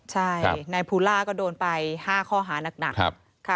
ใช่นายภูล่าก็โดนไป๕ข้อหานัก